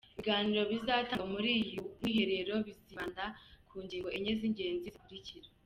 Ibiganiro bizatangwa muri iyi uyu mwiherero bizibanda ku ngingo enye z’ingenzi zikurikira:.